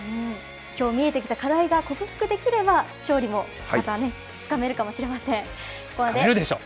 きょう、見えてきた課題が克服できれば、勝利もまたつかめるつかめるでしょう。